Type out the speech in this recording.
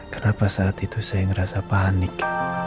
kenapa saat itu saya merasa panik